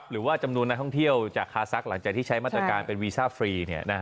หรือว่าจำนวนนักท่องเที่ยวจากคาซักหลังจากที่ใช้มาตรการเป็นวีซ่าฟรี